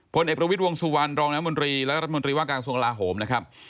เอกประวิทย์วงสุวรรณรองน้ำมนตรีและรัฐมนตรีว่าการทรงลาโหมนะครับ